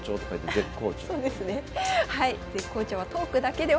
絶好調はトークだけではありません。